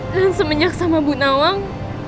dan semenyak sama bu nawang